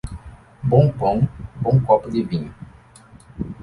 Bom pão, bom copo de vinho.